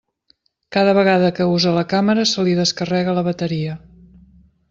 Cada vegada que usa la càmera se li descarrega la bateria.